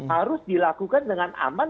harus dilakukan dengan aman